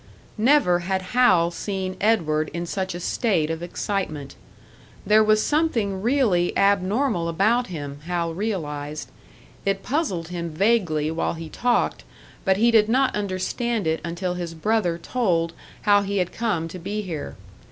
Never had Hal seen Edward in such a state of excitement. There was something really abnormal about him, Hal realised; it puzzled him vaguely while he talked, but he did not understand it until his brother told how he had come to be here.